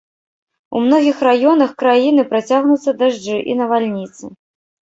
У многіх раёнах краіны працягнуцца дажджы і навальніцы.